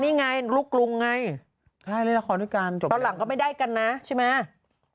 นี่ไงลูกกรุงไงใช่เล่นละครด้วยกันจบตอนหลังก็ไม่ได้กันนะใช่ไหม